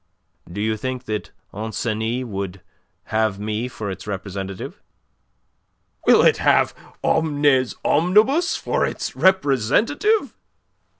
Do you think that Ancenis would have me for its representative?" "Will it have Omnes Omnibus for its representative?"